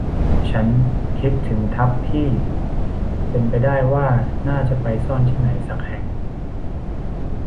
ฉันคิดถึงทัพพี่เป็นไปได้ว่าน่าจะไปซ่อนที่ไหนสักแห่ง